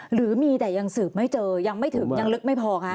หรือมีแต่ยังสืบไม่เจอยังไม่ถึงยังลึกไม่พอคะ